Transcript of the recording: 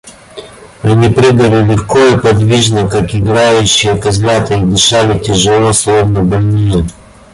Они прыгали легко и подвижно, как играющие козлята, и дышали тяжело, словно больные.